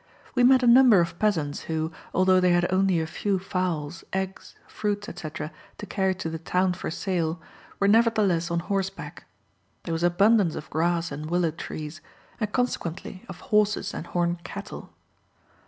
We met a number of peasants who, although they had only a few fowls, eggs, fruits, etc., to carry to the town for sale, were nevertheless on horseback. There was abundance of grass and willow trees, and consequently of horses and horned cattle.